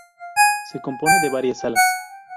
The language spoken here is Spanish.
Se compone de varias salas.